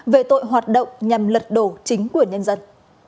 về tội hoạt động nhằm lật đổ chính quyền nhân dân